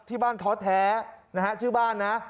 ที่บ้านท้อแท้นะฮะชื่อบ้านนะ